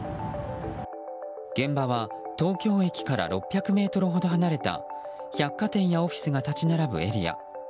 現場は東京駅から６００ｍほど離れた百貨店やオフィスが立ち並ぶエリア。